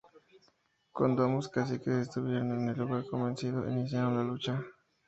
Cuando ambos Caciques estuvieron en el lugar convenido, iniciaron la lucha.